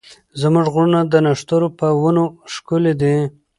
زموږ غرونه د نښترو په ونو ښکلي دي.